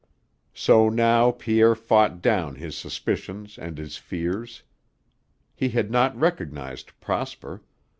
So now Pierre fought down his suspicions and his fears. He had not recognized Prosper.